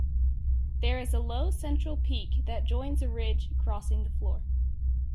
There is a low central peak that joins a ridge crossing the floor.